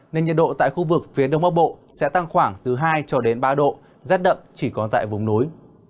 nên nhiệt độ tại khu vực phía đông bắc bộ sẽ tăng khoảng từ hai ba độ rát đậm chỉ còn tại vùng núi